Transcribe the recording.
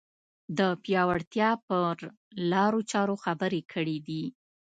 د پیاوړتیا پر لارو چارو خبرې کړې دي